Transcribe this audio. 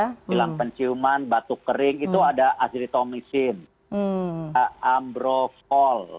hilang penciuman batuk kering itu ada azritomisin ambrofol